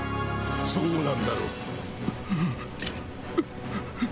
そうなんだろ？